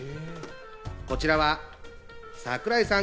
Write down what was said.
こちらは櫻井さん